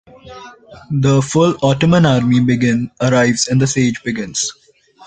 The full Ottoman army arrives, and the siege begins.